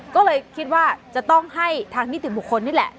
ก็เลยคิดว่าจะต้องให้ทางนิติบุคคลนี่แหละ